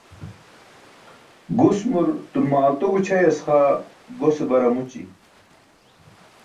Gusmur turmaalto gućʰayas xaa gose bar amući